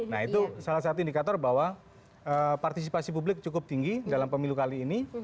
nah itu salah satu indikator bahwa partisipasi publik cukup tinggi dalam pemilu kali ini